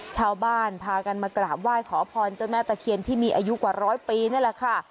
ชาวบ้านพากันมากราบไหว้ขอพรเจ้าแม่ตะเคียนที่มีอายุกว่าร้อยปีนี่แหละค่ะ